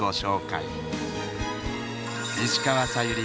石川さゆり